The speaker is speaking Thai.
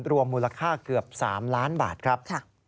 รวมมูลค่าเกือบ๓ล้านบาทครับ